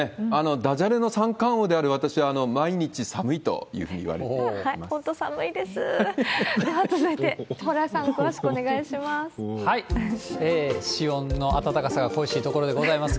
だじゃれの三冠王である私は、毎日寒いというふうに言われています。